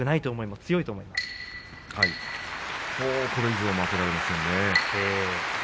もうこれ以上負けられませんね。